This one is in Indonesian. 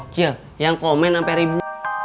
cil yang komen sampe ribu